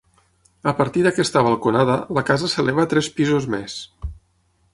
A partir d'aquesta balconada la casa s'eleva tres pisos més.